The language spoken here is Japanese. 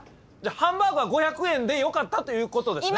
ハンバーグは５００円でよかったということですか？